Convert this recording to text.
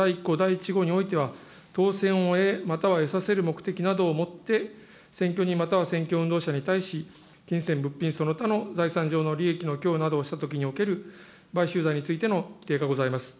また、公職選挙法第２２１条においては、当選を得、または、得させる目的などをもって、選挙人または選挙運動者に対し、金銭、物品、その他の財産上の利益の供与などをしたときにおける買収罪についての規定がございます。